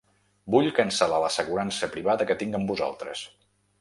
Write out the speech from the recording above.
Vull cancel·lar l'assegurança privada que tinc amb vosaltres.